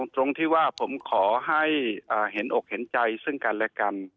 ตรงที่ว่าผมขอให้เห็นอกเห็นใจซึ่งกันและกัน